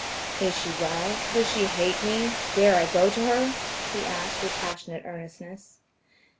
"Is she well? does she hate me? Dare I go to her?" he asked with passionate earnestness.